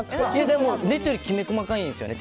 でも、ネットよりきめ細かいんですよね。